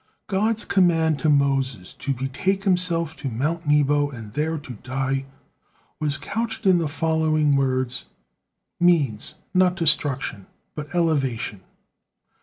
God's command to Moses to betake himself to Mount Nebo, and there to die, was couched in the following words: means not destruction, but elevation.